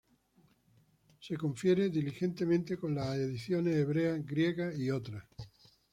Se confiere diligentemente con las ediciones hebrea, griega y otras".